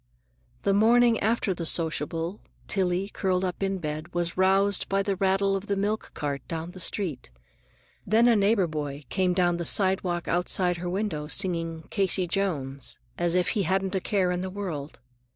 The morning after the sociable, Tillie, curled up in bed, was roused by the rattle of the milk cart down the street. Then a neighbor boy came down the sidewalk outside her window, singing "Casey Jones" as if he hadn't a care in the world.